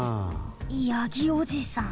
ヤギおじさん。